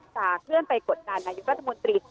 เคลื่อนไปกดดันนายกรัฐมนตรี